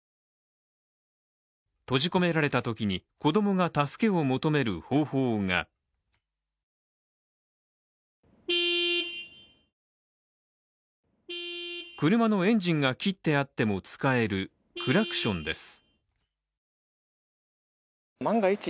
閉じ込められたときに子供が助けを求める方法が車のエンジンが切ってあっても使えるクラクションです。